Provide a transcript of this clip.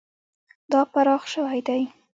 دا پراخ شوی دی.